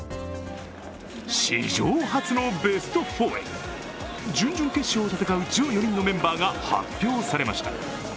史上初のベスト４へ、準々決勝を戦う１４人のメンバーが発表されました。